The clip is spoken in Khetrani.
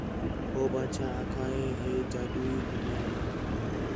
ہو بادشاہ آکھا ہِے ہِے جادوئی دُنیا ہِے